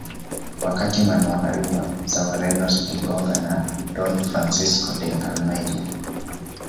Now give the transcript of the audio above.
Wakati manowari za Wareno zikiongozwa na Don Francisco de Almeida